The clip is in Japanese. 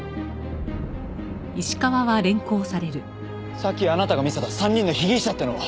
さっきあなたが見せた３人の被疑者っていうのは。